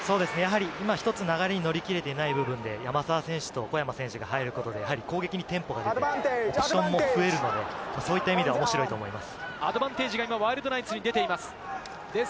今一つ流れに乗りきれていない部分で山沢選手と小山選手が入ることで、攻撃にテンポが出て、そういった意味で面白いと思います。